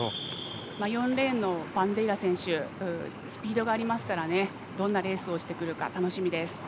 ４レーンのバンデイラ選手はスピードがありますからどんなレースをしてくるか楽しみです。